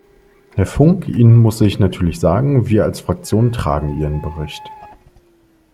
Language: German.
Herr Funk, Ihnen muss ich natürlich sagen, wir als Fraktion tragen Ihren Bericht.